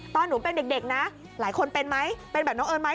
ตอนหนูเป็นเด็กนะหลายคนเป็นไหมเป็นแบบน้องเอิญไหม